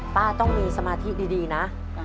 ป้าต้องมีสมาธิดีนะ